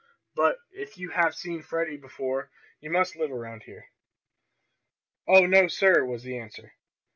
But if you have seen Freddie before you must live around here." "Oh, no, sir," was the answer.